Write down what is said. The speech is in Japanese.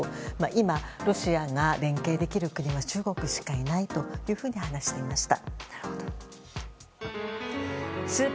今、ロシアが連携できる国は中国しかいないと話していました。